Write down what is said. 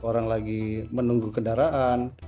orang lagi menunggu kendaraan